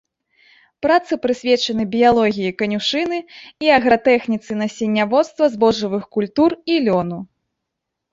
Працы прысвечаны біялогіі канюшыны і агратэхніцы насенняводства збожжавых культур і лёну.